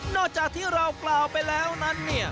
จากที่เรากล่าวไปแล้วนั้นเนี่ย